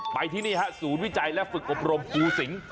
ที่นี่ฮะศูนย์วิจัยและฝึกอบรมภูสิง